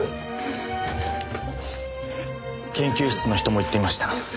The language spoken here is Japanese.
研究室の人も言っていました。